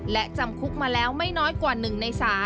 และจำคุกมาแล้วไม่น้อยกว่า๑ใน๓